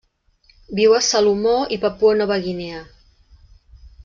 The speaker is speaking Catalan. Viu a Salomó i Papua Nova Guinea.